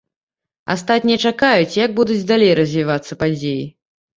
Астатнія чакаюць, як будуць далей развівацца падзеі.